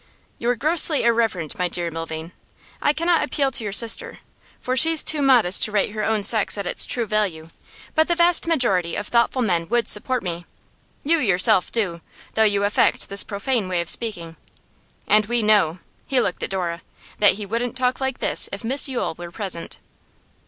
'You are grossly irreverent, my dear Milvain. I cannot appeal to your sister, for she's too modest to rate her own sex at its true value, but the vast majority of thoughtful men would support me. You yourself do, though you affect this profane way of speaking. And we know,' he looked at Dora, 'that he wouldn't talk like this if Miss Yule were present.